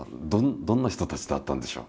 どんな人たちだったんでしょう？